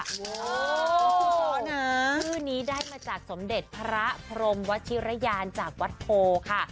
โอ้โหชื่อนี้ได้มาจากสมเด็จพระพรมวชิรยานจากวัดโพค่ะ